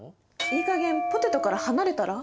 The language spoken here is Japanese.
いいかげんポテトから離れたら？